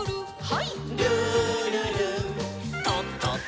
はい。